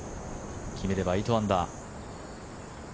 決めれば８アンダー。